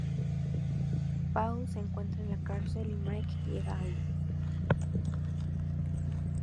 Paul se encuentra en la cárcel, y Mike llega ahí.